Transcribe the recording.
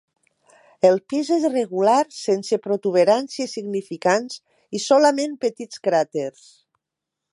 El pis és regular, sense protuberàncies significants i solament petits cràters.